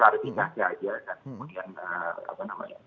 pernah hanya ada klarifikasi aja